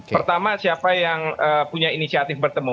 pertama siapa yang punya inisiatif bertemu